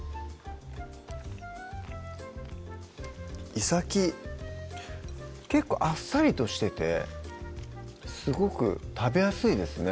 いさき結構あっさりとしててすごく食べやすいですね